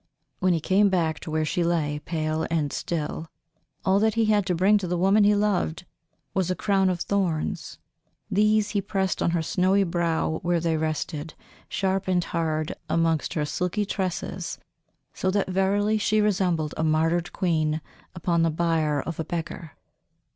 When he came back to where she lay, pale and still, all that he had to bring to the woman he loved was a crown of thorns. These he pressed on her snowy brow where they rested, sharp and hard, amongst her silky tresses, so that verily she resembled a martyred queen upon the bier of a beggar.